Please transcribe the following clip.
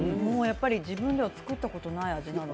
自分では作ったことがない味なので。